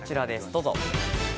どうぞ。